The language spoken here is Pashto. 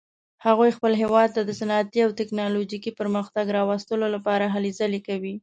هغوی خپل وطن ته د صنعتي او تکنالوژیکي پرمختګ راوستلو لپاره هلې ځلې کوي